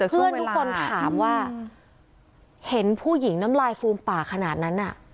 เพื่อนทุกคนถามว่าเห็นผู้หญิงน้ำลายฟูมปากขนาดนั้นน่ะ